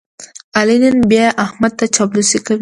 علي نن بیا احمد ته چاپلوسي کوي.